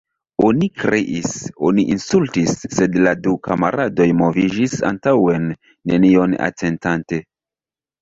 Oni kriis, oni insultis, sed la du kamaradoj moviĝis antaŭen, nenion atentante.